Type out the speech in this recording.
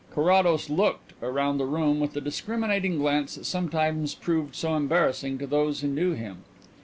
Carrados "looked" round the room with the discriminating glance that sometimes proved so embarrassing to those who knew him.